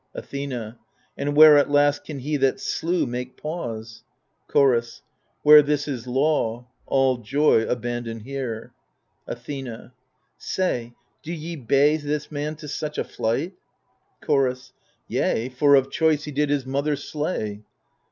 Athena And where at last can he that slew make pause ? Chorus Where this is law — All joy abandon here, Athena Say, do ye bay this man to such a flight ? Chorus Yea, for of choice he did his mother slay.